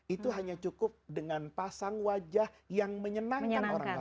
itu hanya cukup dengan pasang wajah yang menyenangkan orang lain